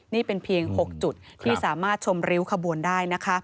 นี่เป็นเพียง๖จุดที่สามารถชมริ้วขบวนได้นะคะ